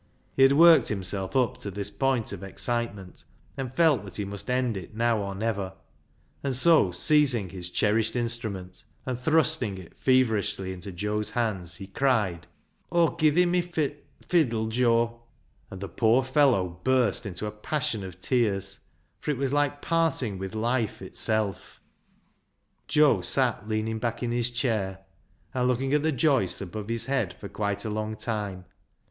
He had worked himself up to this point of excite ment, and felt that he must end it now or never, and so, seizing his cherished instrument and thrusting it feverishly into Joe's hands, he cried — ISAAC'S FIDDLE 319 "Avv'll gi' thi me fid— fiddle, Joe," and the poor fellow burst into a passion of tears — for it was like parting with life itself. Joe sat leaning back in his chair, and looking at the joists above his head for quite a long time.